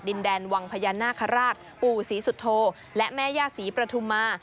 ดินแดนวังพญานาคาราชปู่ศรีสุโธและแม่ย่าศรีปฐุมา